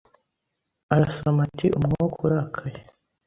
Aransoma ati Umwuka urakaye